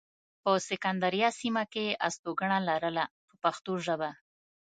په سکندریه سیمه کې یې استوګنه لرله په پښتو ژبه.